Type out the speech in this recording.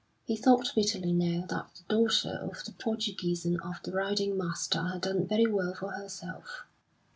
He thought bitterly now that the daughter of the Portuguese and of the riding master had done very well for herself.